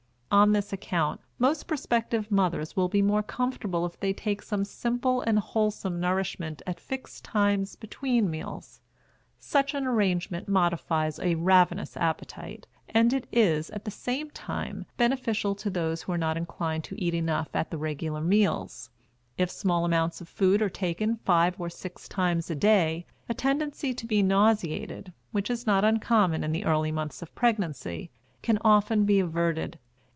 On this account most prospective mothers will be more comfortable if they take some simple and wholesome nourishment at fixed times between meals. Such an arrangement modifies a ravenous appetite, and it is, at the same time, beneficial to those who are not inclined to eat enough at the regular meals. If small amounts of food are taken five or six times a day, a tendency to be nauseated, which is not uncommon in the early months of pregnancy, can often be averted.